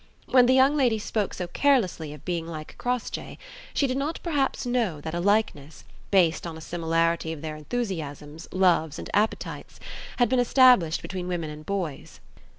When the young lady spoke so carelessly of being like Crossjay, she did not perhaps know that a likeness, based on a similarity of their enthusiasms, loves, and appetites, had been established between women and boys.